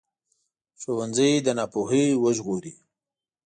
ښوونځی له ناپوهۍ وژغوري